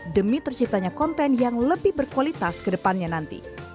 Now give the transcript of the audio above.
demi terciptanya konten yang lebih berkualitas ke depannya nanti